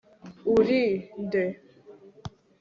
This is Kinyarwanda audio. uri nde